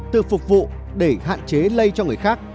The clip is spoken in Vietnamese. tự phục vụ để hạn chế lây cho người khác